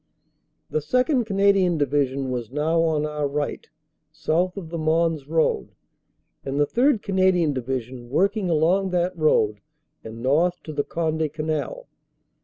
The 2nd. Canadian Division was now on our right, south of the Mons road, and the 3rd. Canadian Division working along that road and north to the Conde Canal.